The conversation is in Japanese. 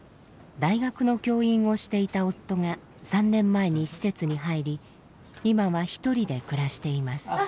大学の教員をしていた夫が３年前に施設に入り今は一人で暮らしています。